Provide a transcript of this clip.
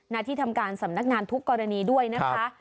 ที่ทำการสำนักงานทุกกรณีด้วยนะคะ